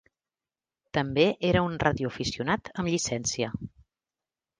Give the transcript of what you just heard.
També era un radioaficionat amb llicència.